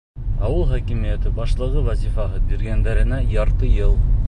Ауыл хакимиәте башлығы вазифаһы биргәндәренә ярты йыл.